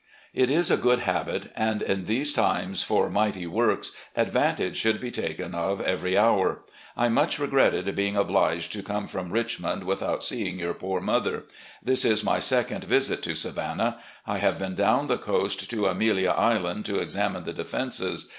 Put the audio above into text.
It is a good habit, and in these times for mighty works advan tage should be taken of every hour. I much regretted being obliged to come from Richmond without seeing your poor mother. ,.. This is my second visit to Savannah. I have been down the coast to Amelia Island to examine the defenses.